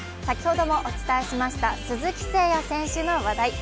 先ほどもお伝えしました鈴木誠也選手の話題。